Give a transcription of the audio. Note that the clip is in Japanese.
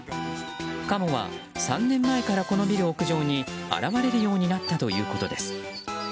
カモは３年前からこのビル屋上に現れるようになったということです。